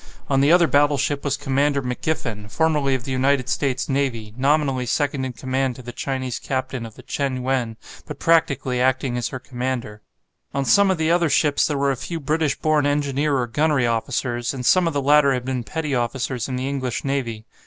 On the other battleship was Commander McGiffen, formerly of the United States navy, nominally second in command to the Chinese captain of the "Chen yuen," but practically acting as her commander. On some of the other ships there were a few British born engineer or gunnery officers, and some of the latter had been petty officers in the English navy.